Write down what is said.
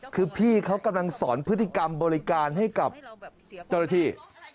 คือพี่เขากำลังสอนพฤติกรรมบริการให้กับเจ้าหน้าที่